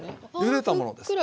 ゆでたものです。